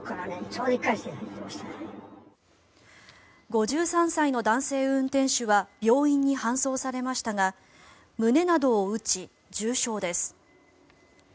５３歳の男性運転手は病院に搬送されましたが胸などを打ち、重傷です。